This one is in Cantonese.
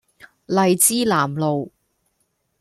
荔枝南路